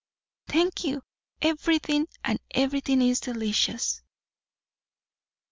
"Thank you, everything; and everything is delicious."